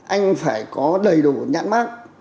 anh phải có đầy đủ nhãn mát